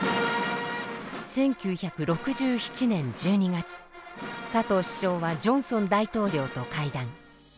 １９６７年１２月佐藤首相はジョンソン大統領と会談。